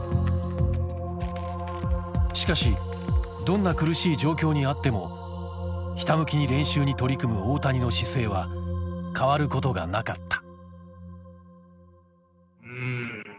しかしどんな苦しい状況にあってもひたむきに練習に取り組む大谷の姿勢は変わることがなかった。